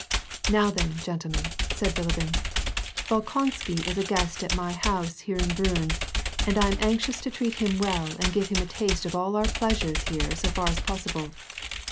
" Now then, gentlemen," said Bilibin, *• Bolkonsky is a guest at my house here in Briinn, and I am anxious to treat him well and give liim a taste of all of our pleasures here so far as pos sible.